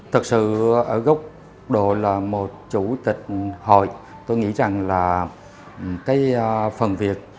thực sự ở góc độ là một chủ tịch hội tôi nghĩ rằng là cái phần việc